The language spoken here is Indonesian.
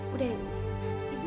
udah ya ibu